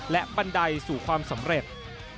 และบันไดสู่ความสำเร็จ